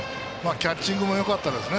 キャッチングもよかったですね。